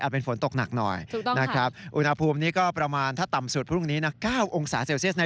ดูประสิทธิภูมิในช่วงสายสายอาจมีฝนตกหนัก